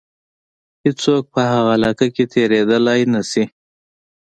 هیڅوک په هغه علاقه کې تېرېدلای نه شي.